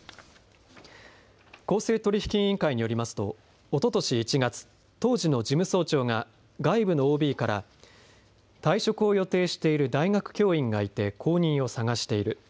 公正取引委員会によりますとおととし１月、当時の事務総長が外部のＯＢから退職を予定している大学教員がいて後任を探している。